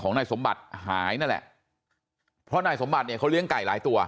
นายสมบัติหายนั่นแหละเพราะนายสมบัติเนี่ยเขาเลี้ยงไก่หลายตัว